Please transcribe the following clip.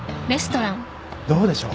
どうでしょう？